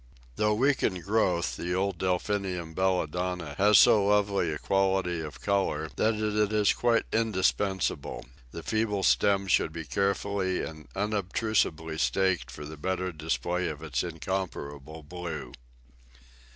Though weak in growth the old Delphinium Belladonna has so lovely a quality of colour that it is quite indispensable; the feeble stem should be carefully and unobtrusively staked for the better display of its incomparable blue.